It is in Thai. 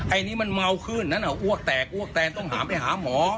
อันนี้มันเมาขึ้นนั้นอ้วกแตกอ้วกแตนต้องหาไปหาหมอ